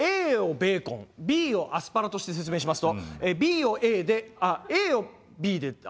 ＡをベーコンＢをアスパラとして説明しますとＢをＡであっＡをＢで。